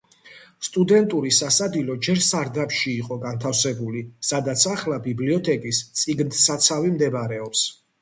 სტუდენტური სასადილო ჯერ სარდაფში იყო განთავსებული, სადაც ახლა ბიბლიოთეკის წიგნთსაცავი მდებარეობს.